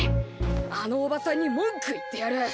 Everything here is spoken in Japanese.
あのおばさんに文句言ってやる！